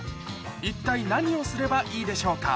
一体何をすればいいでしょうか？